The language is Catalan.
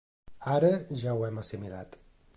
Ara ja ho hem assimilat.